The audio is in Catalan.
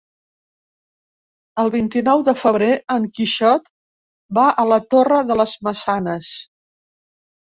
El vint-i-nou de febrer en Quixot va a la Torre de les Maçanes.